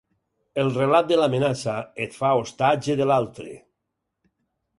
El relat de l’amenaça et fa ostatge de l’altre.